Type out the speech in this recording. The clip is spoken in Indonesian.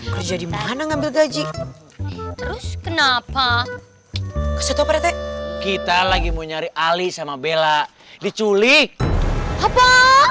kerja di mana ngambil gaji terus kenapa kita lagi mau nyari ali sama bella diculik apa